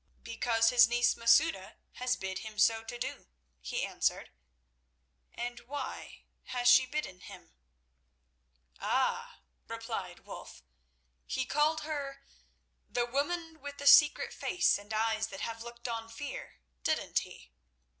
"Because his niece Masouda has bid him so to do," he answered. "And why has she bidden him?" "Ah!" replied Wulf. "He called her 'the woman with the secret face and eyes that have looked on fear,' didn't he?